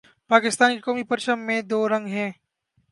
پاکستان کے قومی پرچم میں دو رنگ ہیں